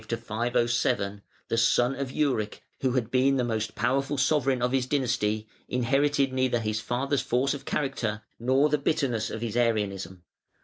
(485 507), the son of Euric, who had been the most powerful sovereign of his dynasty, inherited neither his father's force of character (485 507) nor the bitterness of his Arianism.